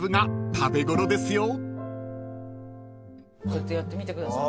ちょっとやってみてください。